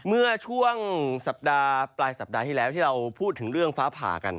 เมื่อช่วงสัปดาห์ปลายสัปดาห์ที่แล้วที่เราพูดถึงเรื่องฟ้าผ่ากัน